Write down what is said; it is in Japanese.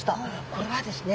これはですね